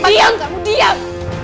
diam kamu diam